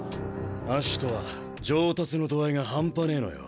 アシトは上達の度合いが半端ねえのよ。